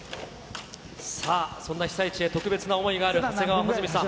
さあ、そんな被災地へ特別な想いがある長谷川穂積さん。